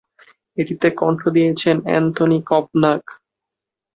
এটিতে কণ্ঠ দিয়েছেন এন্থনি কভনাগ।